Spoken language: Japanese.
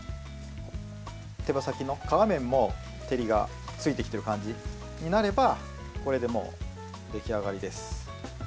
手羽先の皮面も照りがついてきてる感じになればこれでもう出来上がりです。